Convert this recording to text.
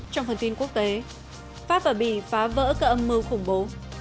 trong phần tin quốc tế pháp và bỉ phá vỡ các âm mưu khủng bố